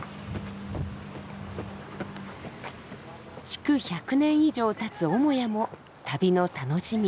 築１００年以上たつ母屋も旅の楽しみ。